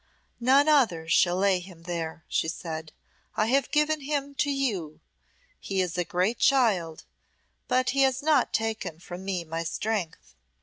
"None other shall lay him there," she said, "I have given him to you. He is a great child, but he has not taken from me my strength."